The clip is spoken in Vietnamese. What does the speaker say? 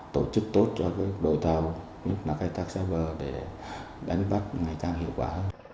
tổ chức tốt cho đội tàu khai thác xa bờ để đánh bắt ngày càng hiệu quả hơn